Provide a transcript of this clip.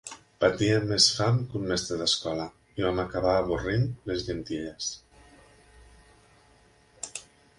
Patíem més fam que un mestre d’escola, i vam acabar avorrint les llentilles.